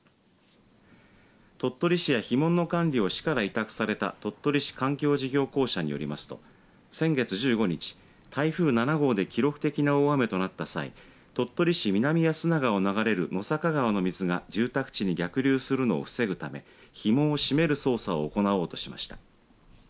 鳥取市や、ひ門の管理を市から委託された鳥取市環境事業公社によりますと先月１５日、台風７号で記録的な大雨となった際鳥取市南安長を流れる野坂川の水が住宅地に逆流するのを防ぐためひ門を締める操作を行おうとしました。